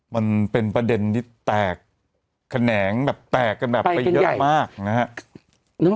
มันเป็นประเด็นที่แตกแขนงแบบแตกกันแบบไปเยอะมากนะฮะ